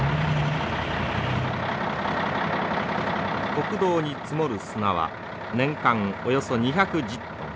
国道に積もる砂は年間およそ２１０トン。